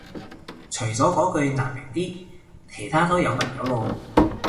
除咗嗰句難明啲其他都有文有路